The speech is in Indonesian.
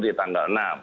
di tanggal enam